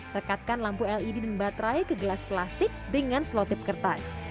rekatkan lampu led dan baterai ke gelas plastik dengan selotip kertas